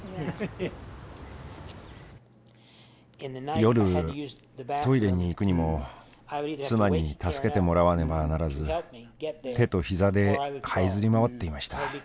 夜トイレに行くにも妻に助けてもらわねばならず手とひざではいずり回っていました。